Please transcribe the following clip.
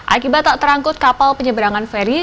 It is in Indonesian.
akibat tak terangkut kapal penyeberangan ferry